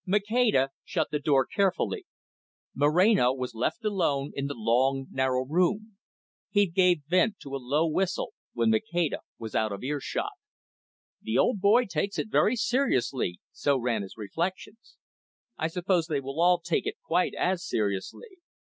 Maceda shut the door carefully. Moreno was left alone, in the long, narrow room. He gave vent to a low whistle, when Maceda was out of earshot. "The old boy takes it very seriously," so ran his reflections. "I suppose they will all take it quite as seriously.